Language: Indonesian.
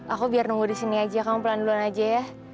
aku biar nunggu di sini aja kamu pelan pelan aja ya